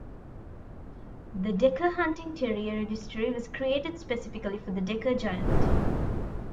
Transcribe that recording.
The Decker Hunting Terrier Registry was created specifically for the Decker Giant.